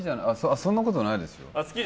そんなことないですよ。